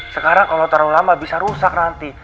sekarang kalau terlalu lama bisa rusak nanti